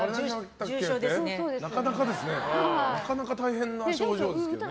なかなか大変な症状ですけどね。